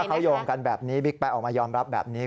เขาโยงกันแบบนี้บิ๊กแป๊ออกมายอมรับแบบนี้